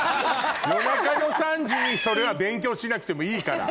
夜中の３時にそれは勉強しなくてもいいから。